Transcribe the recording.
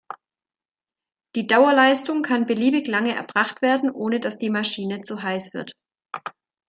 Die "Dauerleistung" kann beliebig lange erbracht werden, ohne dass die Maschine zu heiß wird.